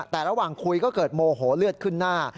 แต่ระหว่างคุยก็เกิดโมโหเลือดขึ้นหน้า